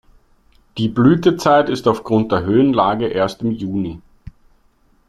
Die Blütezeit ist aufgrund der Höhenlage erst im Juni.